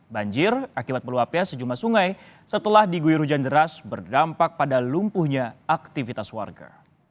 banjir akibat meluapnya sejumlah sungai setelah diguyur hujan deras berdampak pada lumpuhnya aktivitas warga